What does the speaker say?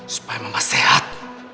supaya mama sehat